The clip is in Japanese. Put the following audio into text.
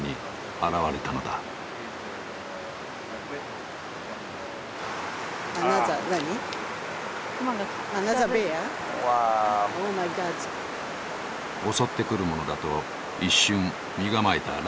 襲ってくるものだと一瞬身構えたランド博士。